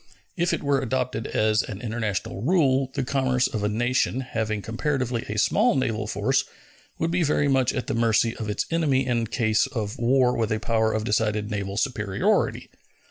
If it were adopted as an international rule, the commerce of a nation having comparatively a small naval force would be very much at the mercy of its enemy in case of war with a power of decided naval superiority.